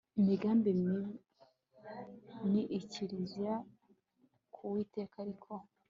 Imigambi mibi ni ikizira ku Uwiteka Ariko